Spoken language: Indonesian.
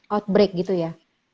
outbreak gitu ya